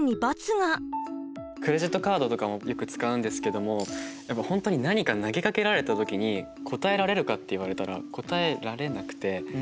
クレジットカードとかもよく使うんですけども本当に何か投げかけられた時に答えられるかって言われたら答えられなくて。